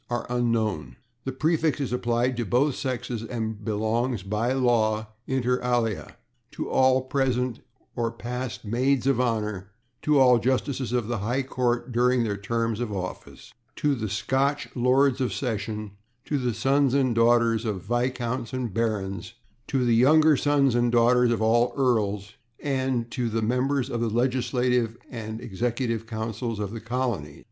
are unknown. The prefix is applied to both sexes and belongs by law, /inter alia/, to all present or past maids of honor, to all justices of the High Court during their terms of office, to the Scotch Lords of Session, to the sons and daughters of viscounts and barons, to the younger sons and all daughters of earls, and to the members of the legislative and executive councils of the colonies.